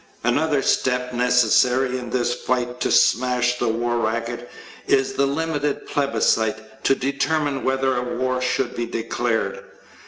Another step necessary in this fight to smash the war racket is the limited plebiscite to determine whether a war should be declared.